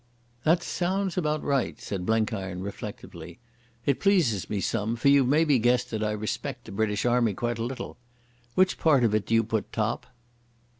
"That sounds about right," said Blenkiron reflectively. "It pleases me some, for you've maybe guessed that I respect the British Army quite a little. Which part of it do you put top?"